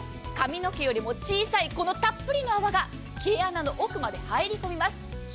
髪の毛よりも小さい、このたっぷりの泡が毛穴の奥まで入り込みます。